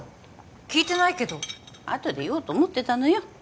聞いてないけどあとで言おうと思ってたのよ